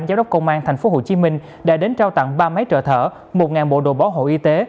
giám đốc công an tp hcm đã đến trao tặng ba máy trợ thở một bộ đồ bảo hộ y tế